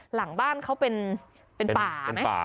หลังบ้านเขาเป็นป่าไหม